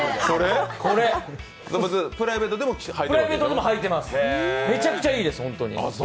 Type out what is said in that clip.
プライベートでも履いてます、めちゃくちゃいいです、本当に。